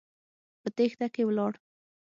په تېښته کې ولاړ.